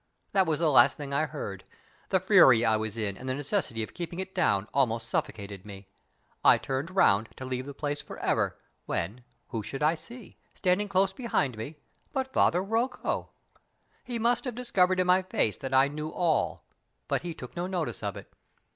That was the last thing I heard. The fury I was in, and the necessity of keeping it down, almost suffocated me. I turned round to leave the place forever, when, who should I see, standing close behind me, but Father Rocco. He must have discovered in my face that I knew all, but he took no notice of it.